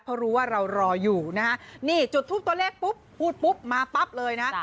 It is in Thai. เพราะรู้ว่าเรารออยู่นะฮะนี่จุดทูปตัวเลขปุ๊บพูดปุ๊บมาปั๊บเลยนะ